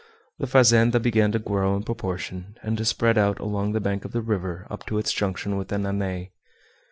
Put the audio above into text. The fazenda began to grow in proportion, and to spread out along the bank of the river up to its junction with the Nanay.